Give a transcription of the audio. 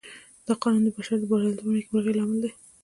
دا قانون د بشر د برياليتوب او نېکمرغۍ لامل دی.